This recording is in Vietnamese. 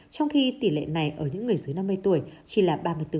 trong khi tỷ lệ này ở những người dưới năm mươi tuổi chỉ là ba mươi bốn